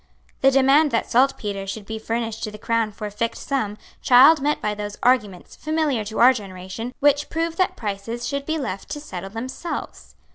The demand that saltpetre should be furnished to the Crown for a fixed sum Child met by those arguments, familiar to our generation, which prove that prices should be left to settle themselves.